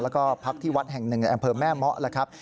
แล้วก็พักที่วัดแห่งหนึ่งในอำเภอแม่เมาะแล้วครับ